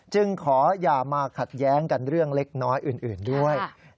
จึงขออย่ามาขัดแย้งกันเรื่องเล็กน้อยอื่นด้วย